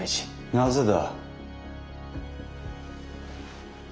なぜだ。